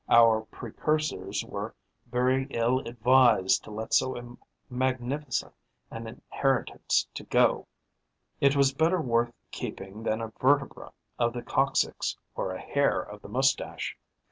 Our precursors were very ill advised to let so magnificent an inheritance go: it was better worth keeping than a vertebra of the coccyx or a hair of the moustache.